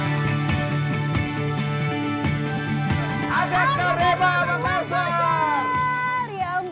nah sekarang kita sudah bicara sama orang yang ada berantes repet usual artis dan ya ada oldu informasi nggak tuh bahwa duruk